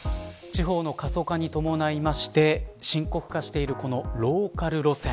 地方の過疎化に伴いまして深刻化しているこのローカル路線。